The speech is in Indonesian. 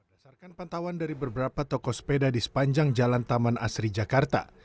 berdasarkan pantauan dari beberapa toko sepeda di sepanjang jalan taman asri jakarta